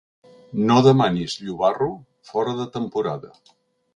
No demanis llobarro fora de temporada.